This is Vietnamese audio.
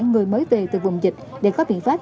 người mới về từ vùng dịch để có biện pháp